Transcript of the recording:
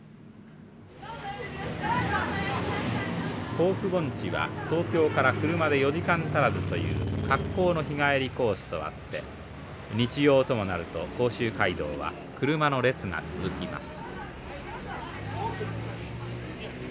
甲府盆地は東京から車で４時間足らずという格好の日帰りコースとあって日曜ともなると甲州街道は車の列が続きます。